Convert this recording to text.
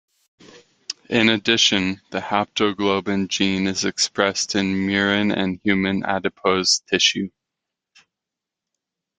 In addition, the haptoglobin gene is expressed in murine and human adipose tissue.